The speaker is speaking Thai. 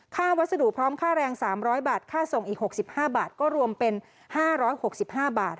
วัสดุพร้อมค่าแรง๓๐๐บาทค่าส่งอีก๖๕บาทก็รวมเป็น๕๖๕บาท